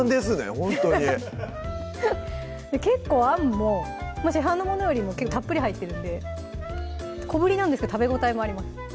ほんとに結構あんも市販のものよりもたっぷり入ってるんで小ぶりなんですけど食べ応えもあります